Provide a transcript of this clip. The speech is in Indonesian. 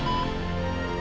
ya allah papa